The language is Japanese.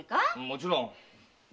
もちろん。